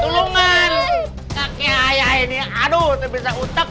siluman kakek ayah ini aduh terbisa utek